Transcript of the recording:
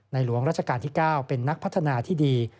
หลวงราชการที่๙เป็นนักพัฒนาที่ดี